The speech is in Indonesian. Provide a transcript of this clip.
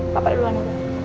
papa dulu nanti